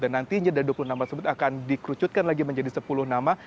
dan nantinya dari dua puluh nama tersebut akan dikrucutkan lagi menjadi sepuluh nama